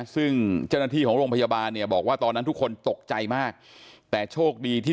ซึ่งเจ้าหน้าที่ของโรงพยาบาลเนี่ยบอกว่าตอนนั้นทุกคนตกใจมากแต่โชคดีที่